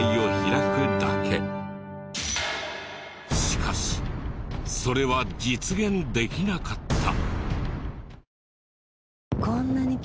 しかしそれは実現できなかった！？